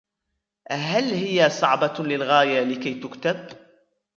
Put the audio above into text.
هل هي صعبة للغاية لكي تُكتب ؟